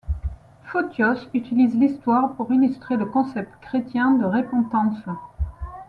Photios utilise l'histoire pour illustrer le concept chrétien de repentance.